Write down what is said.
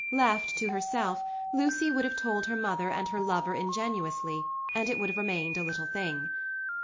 Left to herself, Lucy would have told her mother and her lover ingenuously, and it would have remained a little thing.